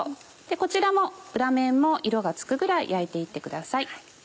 こちらも裏面も色がつくぐらい焼いて行ってください。